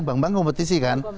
bank bank kompetisi kan